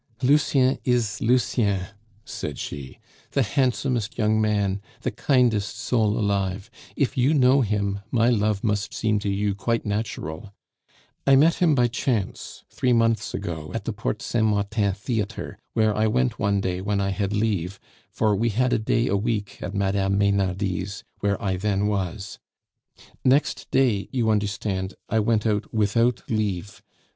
"Lucien is Lucien," said she, "the handsomest young man, the kindest soul alive; if you know him, my love must seem to you quite natural. I met him by chance, three months ago, at the Porte Saint Martin theatre, where I went one day when I had leave, for we had a day a week at Madame Meynardie's, where I then was. Next day, you understand, I went out without leave.